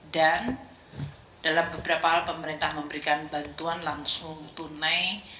dan dalam beberapa hal pemerintah memberikan bantuan langsung tunai